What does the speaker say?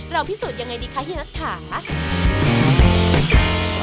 เราพิสูจน์ยังไงดิคะเฮียชื่อนักขา